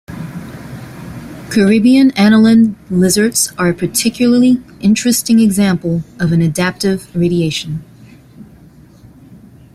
Caribbean anoline lizards are a particularly interesting example of an adaptive radiation.